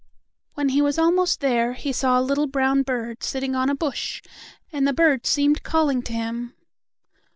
When he was almost there he saw a little brown bird sitting on a bush, and the bird seemed calling to him.